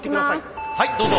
はいどうぞ。